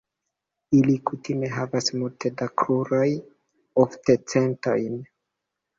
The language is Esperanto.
Ili kutime havas multe da kruroj, ofte centojn.